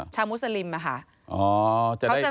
ชาวมุสลิมนะคะ